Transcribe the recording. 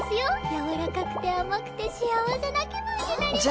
やわらかくて甘くて幸せな気分になります！